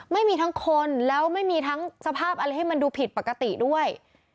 ไม่มีทั้งคนแล้วไม่มีทั้งสภาพอะไรให้มันดูผิดปกติด้วย